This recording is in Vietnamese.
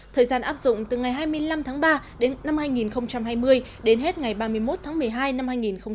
thời gian áp dụng từ ngày hai mươi năm tháng ba đến năm hai nghìn hai mươi đến hết ngày ba mươi một tháng một mươi hai năm hai nghìn hai mươi